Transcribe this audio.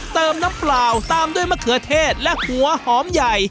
น้ำเปล่าตามด้วยมะเขือเทศและหัวหอมใหญ่